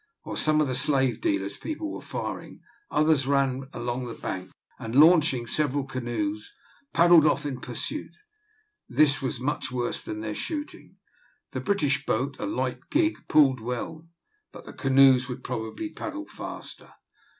While some of the slave dealers' people were firing, others ran along the bank, and, launching several canoes, paddled off in pursuit. This was much worse than their shooting. The British boat, a light gig, pulled well, but the canoes would probably paddle faster.